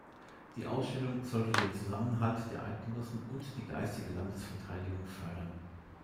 Die Ausstellung sollte den Zusammenhalt der Eidgenossen und die «geistige Landesverteidigung» fördern.